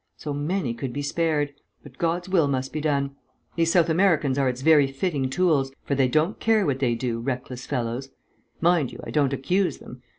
So many could be spared.... But God's will must be done. These South Americans are its very fitting tools, for they don't care what they do, reckless fellows. Mind you, I don't accuse them.